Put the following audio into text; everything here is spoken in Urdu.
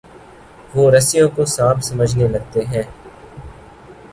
وہ رسیوں کو سانپ سمجھنے لگتے ہیں۔